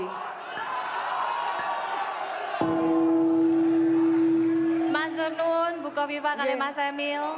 terima kasih bu kofifa dan mas emil